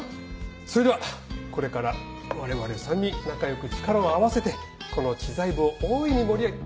それではこれから我々３人仲良く力を合わせてこの知財部を大いに盛り上げ。